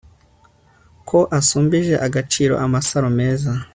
ko asumbije agaciro amasaro meza